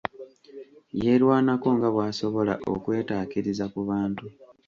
Yeerwanako nga bw'asobola okwetaakiriza ku mutemu.